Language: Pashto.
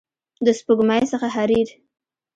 د سپوږمۍ څخه حریر